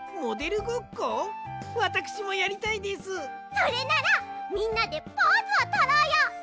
それならみんなでポーズをとろうよ！